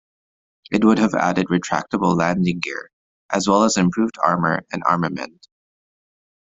It would have added retractable landing gear, as well as improved armour and armament.